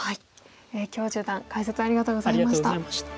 許十段解説ありがとうございました。